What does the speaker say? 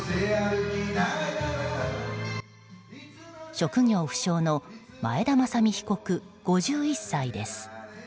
職業不詳の前田征美被告５１歳です。